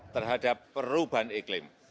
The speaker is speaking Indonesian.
terhadap perubahan iklim